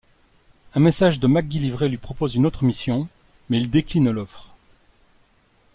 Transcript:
Un message de MacGillivray lui propose une autre mission, mais il décline l'offre.